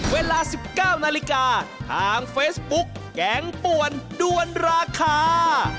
เวลา๑๙นาฬิกาทางเฟซบุ๊กแกงป่วนด้วนราคา